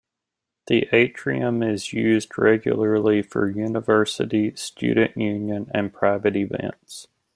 The atrium is used regularly for university, student union and private events.